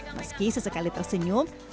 meski sesekali tersenyum